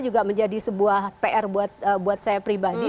juga menjadi sebuah pr buat saya pribadi